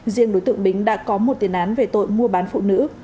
riêng đối tượng bính đã có một tiền án về tội mua bán phụ nữ